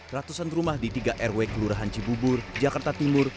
ratusan rumah di tiga rw kelurahan cibubur jakarta timur